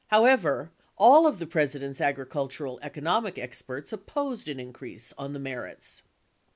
However, all of the President's agricultural economic experts opposed an increase on the merits.